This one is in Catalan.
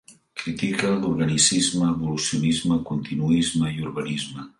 Critica l'organicisme, evolucionisme, continuisme i urbanisme.